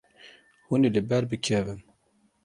Hûn ê li ber bikevin.